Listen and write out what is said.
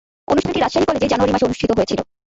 অনুষ্ঠানটি রাজশাহী কলেজে জানুয়ারি মাসে অনুষ্ঠিত হয়েছিলো।